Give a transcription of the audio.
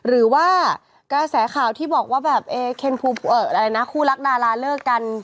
หรือว่ากระแสข่าวที่บอกว่าแบบคู่รักดาราเลิกกัน